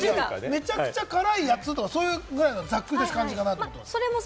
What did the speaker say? めちゃくちゃ辛いやつとか、そういうぐらいのざっくりとした感じです。